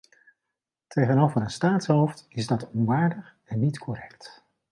Tegenover een staatshoofd is dat onwaardig en niet correct.